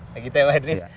begitu ya pak idris